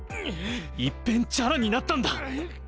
いっぺんチャラになったんだ！